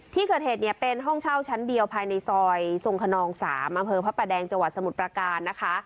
ที่เกิดเหตุเนี่ยเป็นห้องเช่าชั้นเดียวภายในซอยทรงขนอง๓อำเภอพระประแดงจังหวัดสมุทรประการนะคะ